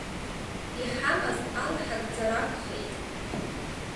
Иҳамаз алаҳгӡар акәхеит.